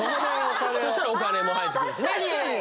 そしたらお金も入ってくるしねああ確かに！